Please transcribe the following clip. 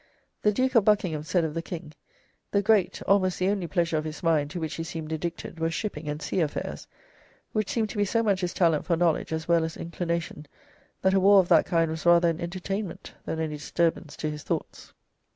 The Duke of Buckingham said of the King: "The great, almost the only pleasure of his mind to which he seemed addicted was shipping and sea affairs, which seemed to be so much his talent for knowledge as well as inclination, that a war of that kind was rather an entertainment than any disturbance to his thoughts."